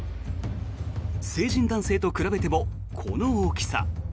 成人男性と比べてもこの大きさ。